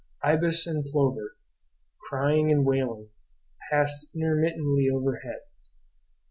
Ibis and plover, crying and wailing, passed immediately overhead.